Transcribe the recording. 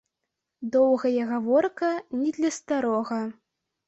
Доўгая гаворка не для старога.